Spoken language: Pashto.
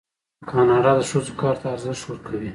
کاناډا د ښځو کار ته ارزښت ورکوي.